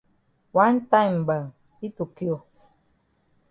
Wan time gbam yi tokio.